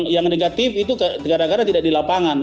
yang negatif itu kadang kadang tidak di lapangan